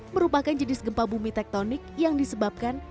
merupakan jenis gempa bumi tektonik yang disebabkan